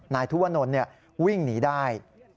นายธุวนลวิ่งหนีได้